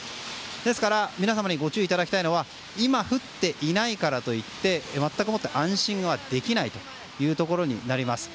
ですから皆様にご注意いただきたいのは今降っていないからといって全くもって安心はできないというところになります。